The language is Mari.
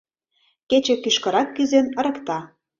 Кече кӱшкырак кӱзен, ырыкта.